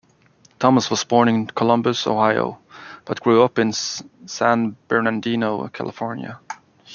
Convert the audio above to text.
Thomas was born in Columbus, Ohio, but grew up in San Bernardino, California.